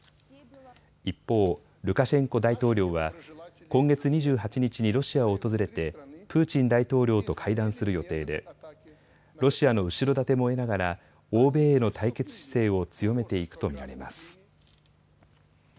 一方、ルカシェンコ大統領は今月２８日にロシアを訪れてプーチン大統領と会談する予定でロシアの後ろ盾も得ながら欧米への対決姿勢を強めていくと見られます。